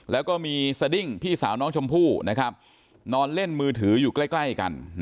แล้วก็มีสดิ้งพี่สาวน้องชมพู่นอนเล่นมือถืออยู่ใกล้กัน